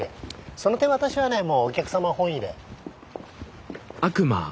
その点私はねもうお客様本位で。